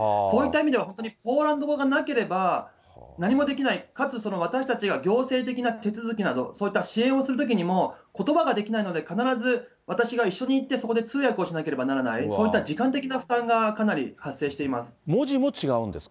そういった意味では、本当にポーランド語がなければ何もできない、かつ、私たちが行政的な手続きなど、そういった支援をするときにも、ことばができないので、必ず、私が一緒に行って、そこで通訳をしなければならない、そういった時間的な負担がかなり、発生しています。